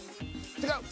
違う。